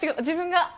自分が。